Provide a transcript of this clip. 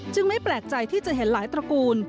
ไม่แปลกใจที่จะเห็นหลายตระกูล